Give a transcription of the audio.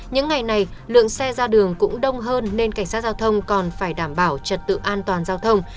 những ngày này lượng xe ra đường cũng đông hơn nên cảnh sát giao thông còn phải đảm bảo trật tự an toàn giao thông